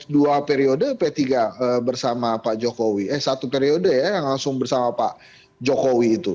dua periode p tiga bersama pak jokowi eh satu periode ya yang langsung bersama pak jokowi itu